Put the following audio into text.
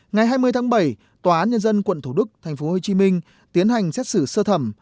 ngày hai mươi tháng bảy tòa án nhân dân quận thủ đức tp hcm tiến hành xét xử sơ thẩm